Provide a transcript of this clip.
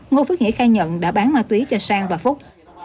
ngô phước hĩ khai nhận đã bán ma túy cho sang và phúc